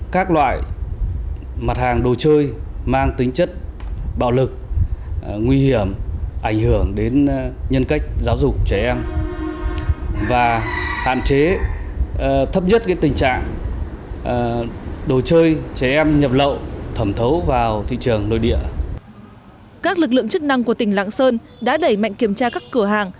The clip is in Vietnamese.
các lực lượng chức năng của tỉnh lạng sơn đã đẩy mạnh kiểm tra các cửa hàng